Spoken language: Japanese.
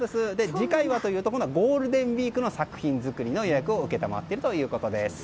次回はというと、今度はゴールデンウィークの作品作りの予約を承っているということです。